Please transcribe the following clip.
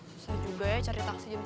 susah juga ya cari taksi jam segini